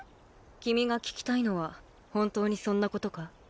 君が聞きたいのは本当にそんなことか？